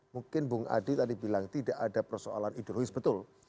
mungkin bung adi tadi bilang tidak ada persoalan ideologis betul